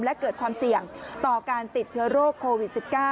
และเกิดความเสี่ยงต่อการติดเชื้อโรคโควิด๑๙